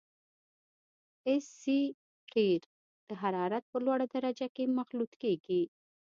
اس سي قیر د حرارت په لوړه درجه کې مخلوط کیږي